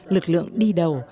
lực lượng đi đầu